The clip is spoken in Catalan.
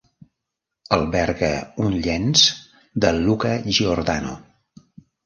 Alberga un llenç de Luca Giordano.